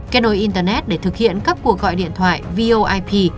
kết nối internet để thực hiện các cuộc gọi điện thoại voip